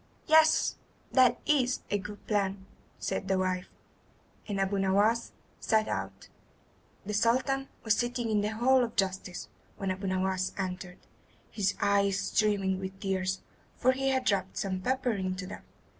"Yes, that is a good plan," said the wife; and Abu Nowas set out. The Sultan was sitting in the hall of justice when Abu Nowas entered, his eyes streaming with tears, for he had rubbed some pepper into them.